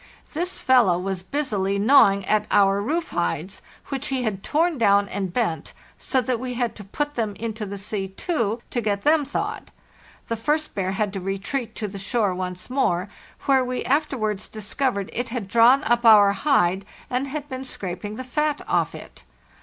This fellow was busily gnawing at our roof hides, which he had torn down and bent, so that we had to put them into the sea too, to get them thawed. The first bear had to retreat to the shore once more, where we after wards discovered it had drawn up our hide and_ had been scraping the fat off it.